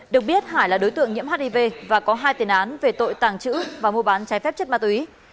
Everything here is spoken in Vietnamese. được biết hải là đối tượng nhiễm hiv và có hai tiền án về tội tàng trữ và mua bán trái phép chất ma túy